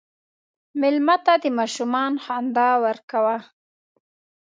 مېلمه ته د ماشومان خندا ورکوه.